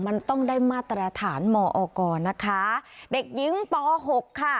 มันต้องได้มาตรฐานมอกรนะคะเด็กหญิงป๖ค่ะ